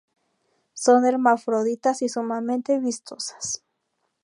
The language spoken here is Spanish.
Son hermafroditas y sumamente vistosas.